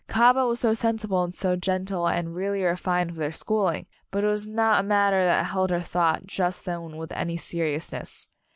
Cahaba was so sensible and so genteel and really refined with her schooling but it was not a matter that held her thought just then with any seriousness.